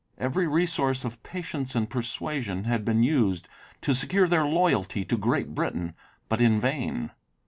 "Every resource of patience and persuasion" had been used to secure their loyalty to Great Britain, but in vain.